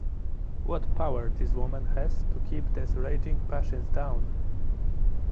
What power this woman has to keep these raging passions down!